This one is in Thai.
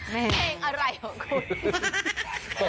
แม่งอะไรของคุณ